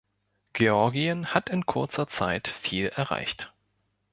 Georgien hat in kurzer Zeit viel erreicht.